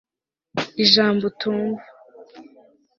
ijambo utumva